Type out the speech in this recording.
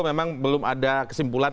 memang belum ada kesimpulan